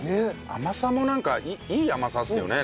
甘さもいい甘さですよね。